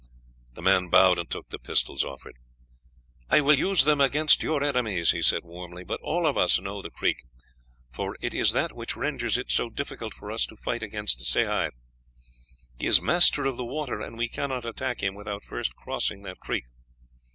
The man bowed and took the pistols offered. "I will use them against your enemies," he said warmly; "but all of us know the creek, for it is that which renders it so difficult for us to fight against Sehi. He is master of the water, and we cannot attack him without first crossing that creek.